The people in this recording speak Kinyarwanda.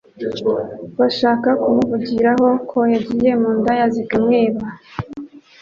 bashaka kumuvugiraho ko yagiye mu ndaya ziramwiba”.